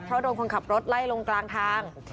เพราะโดนคนขับรถไล่ลงกลางทาง